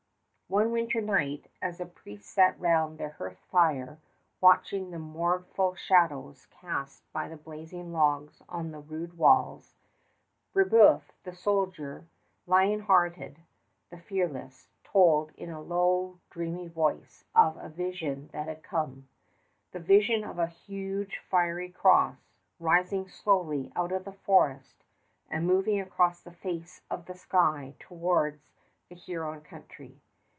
One winter night, as the priests sat round their hearth fire watching the mournful shadows cast by the blazing logs on the rude walls, Brébeuf, the soldier, lion hearted, the fearless, told in a low, dreamy voice of a vision that had come, the vision of a huge fiery cross rising slowly out of the forest and moving across the face of the sky towards the Huron country.